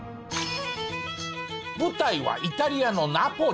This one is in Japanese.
舞台はイタリアのナポリ。